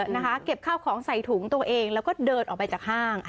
นะคะเก็บข้าวของใส่ถุงตัวเองแล้วก็เดินออกไปจากห้าง